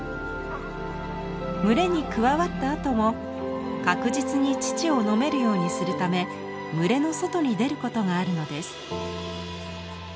群れに加わったあとも確実に乳を飲めるようにするため群れの外に出ることがあるのです。